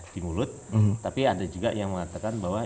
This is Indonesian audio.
di mulut tapi ada juga yang mengatakan bahwa